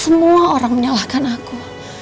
semua orang menyalahkan aku